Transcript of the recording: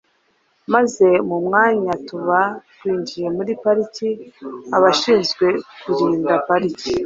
maze mu mwanya tuba twinjiye muri Pariki. Abashinzwe kurinda pariki